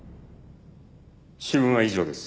主文は以上です。